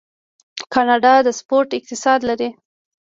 کاناډا د سپورت اقتصاد لري.